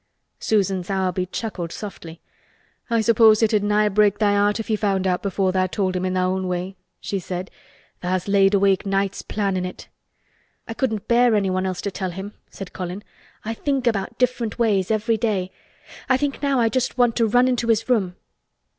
Susan Sowerby chuckled softly. "I suppose it 'ud nigh break thy heart if he found out before tha' told him in tha' own way," she said. "Tha's laid awake nights plannin' it." "I couldn't bear anyone else to tell him," said Colin. "I think about different ways every day, I think now I just want to run into his room."